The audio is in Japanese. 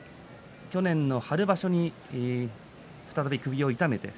去年の春場所に再び首を痛めました。